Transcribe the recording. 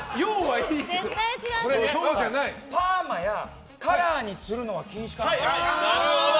パーマやカラーにするのは禁止かな。